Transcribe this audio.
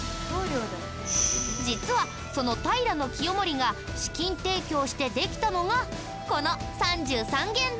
実はその平清盛が資金提供してできたのがこの三十三間堂。